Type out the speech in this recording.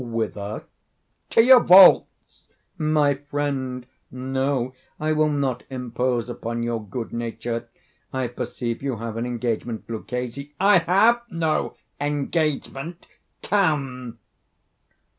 "Whither?" "To your vaults." "My friend, no; I will not impose upon your good nature. I perceive you have an engagement. Luchesi—" "I have no engagement;—come."